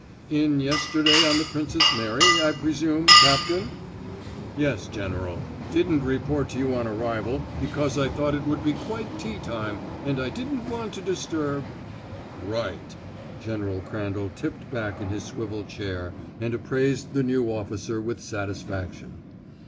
"In yesterday on the Princess Mary, I presume, Captain?" "Yes, General. Didn't report to you on arrival because I thought it would be quite tea time and I didn't want to disturb " "Right!" General Crandall tipped back in his swivel chair and appraised his new officer with satisfaction.